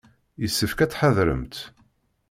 Yessefk ad tḥadremt.